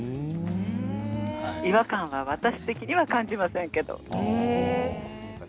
違和感は私的には感じませんけど。